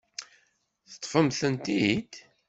Teṭṭfemt-tent-id?